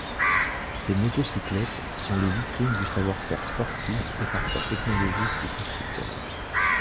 Ces motocyclettes sont les vitrines du savoir-faire sportif et parfois technologique des constructeurs.